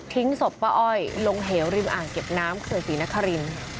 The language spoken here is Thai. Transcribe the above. ทิ้งศพป้าอ้อยลงเหวริมอ่างเก็บน้ำเคยศรีนครินทร์